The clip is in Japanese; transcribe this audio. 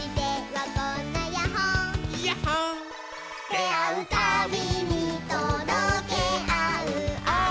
「であうたびにとどけあうアイコトバ」